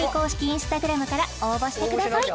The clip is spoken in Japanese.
インスタグラムから応募してください